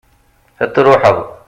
ad truḥeḍ